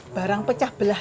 barang pecah belah